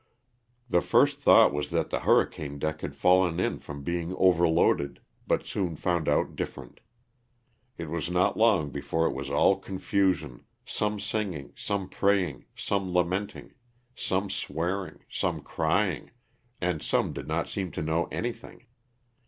The first thought was that the hurricane deck had fallen in from being overloaded, but soon found out different. It was not long before it was all confusion, some singing, some praying, some lamenting, some swearing, some crying, and some did not seem to know anything.